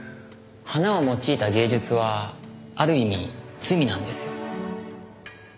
花を用いた芸術はある意味罪なんですよ。